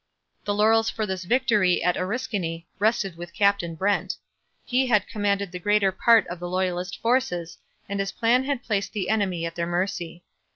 The laurels for this victory at Oriskany rested with Captain Brant. He had commanded the greater part of the loyalist forces and his plan had placed the enemy at their mercy.